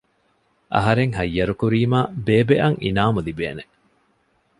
އަހަރެން ހައްޔަރުކުރީމާ ބޭބެއަށް އިނާމު ލިބޭނެ